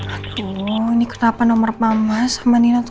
aduh ini kenapa nomor mama sama nino tuh gak ada yang aktif